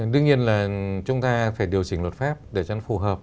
đương nhiên là chúng ta phải điều chỉnh luật pháp để cho nó phù hợp